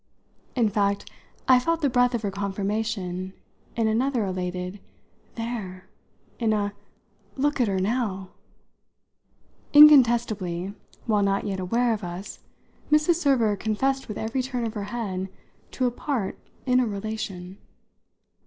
In fact I felt the breath of her confirmation in another elated "There!" in a "Look at her now!" Incontestably, while not yet aware of us, Mrs. Server confessed with every turn of her head to a part in a relation.